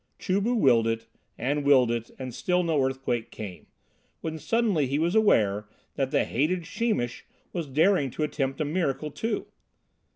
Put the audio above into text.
Chu bu willed it and willed it and still no earthquake came, when suddenly he was aware that the hated Sheemish was daring to attempt a miracle too.